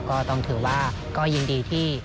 ก็ต้องถือว่าก็ยินดีที่